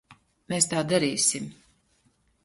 Mēs tā darīsim.